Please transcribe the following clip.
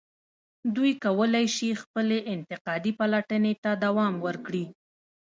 دوی کولای شي خپلې انتقادي پلټنې ته دوام ورکړي.